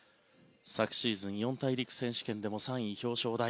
昨シーズン四大陸選手権でも３位表彰台。